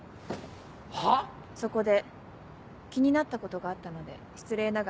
はっ⁉そこで気になったことがあったので失礼ながら質問を。